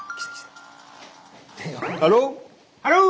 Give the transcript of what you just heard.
ハロー。